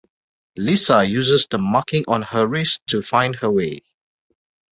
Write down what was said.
Lisa uses the marking on her wrist to find her way.